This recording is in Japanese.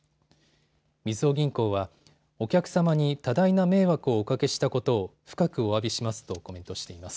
みずほ銀行はお客様に多大な迷惑をおかけしたことを深くおわびしますとコメントしています。